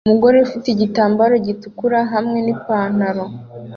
Umugore ufite igitambaro gitukura hamwe nipantaro